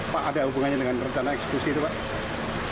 pak ada hubungannya dengan rencana eksekusi itu pak